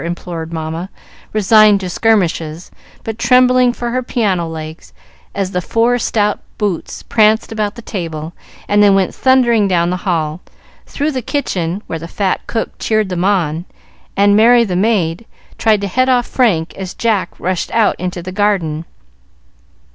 implored Mamma, resigned to skirmishes, but trembling for her piano legs as the four stout boots pranced about the table and then went thundering down the hall, through the kitchen where the fat cook cheered them on, and Mary, the maid, tried to head off Frank as Jack rushed out into the garden.